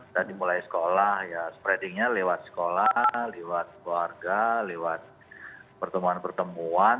tadi mulai sekolah ya spreatingnya lewat sekolah lewat keluarga lewat pertemuan pertemuan